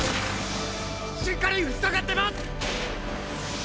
しっかり塞がってます！！